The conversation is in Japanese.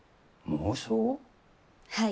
はい。